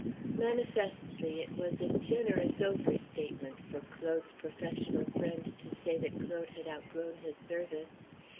Manifestly it was a generous overstatement for Claude's professional friend to say that Claude had outgrown his service.